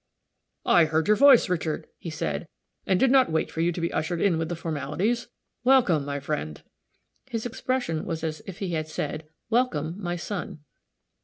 "I heard your voice, Richard," he said, "and did not wait for you to be ushered in with the formalities. Welcome, my friend;" his expression was as if he had said "Welcome, my son."